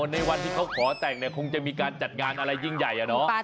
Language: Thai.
ในวันที่เขาขอแต่งเนี่ยคงจะมีการจัดงานอะไรยิ่งใหญ่อะเนาะ